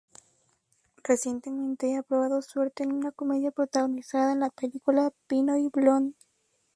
Recientemente ha probado suerte en una comedia protagonizada en la película Pinoy Blonde.